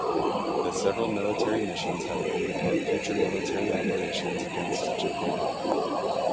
The several military missions have agreed upon future military operations against Japan.